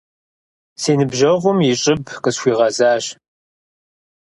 Си ныбжьэгъум и щӏыб къысхуигъэзащ.